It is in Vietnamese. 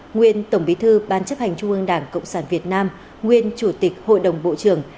nguyên tổng bí thư ban chấp hành trung ương đảng cộng sản việt nam nguyên chủ tịch hội đồng bộ trưởng